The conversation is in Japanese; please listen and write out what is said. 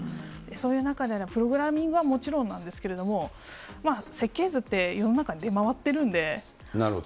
そういう中でのプログラミングはもちろんなんですけれども、設計図って、世の中に出回ってるなるほど。